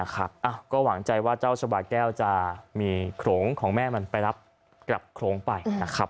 ก็หวังใจว่าเจ้าชาบาแก้วจะมีโขลงของแม่มันไปรับกลับโขลงไปนะครับ